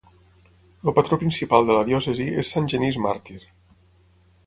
El patró principal de la diòcesi és sant Genís màrtir.